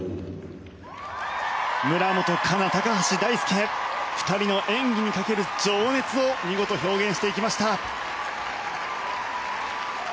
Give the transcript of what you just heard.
村元哉中、高橋大輔２人の演技にかける情熱を見事、表現していきました。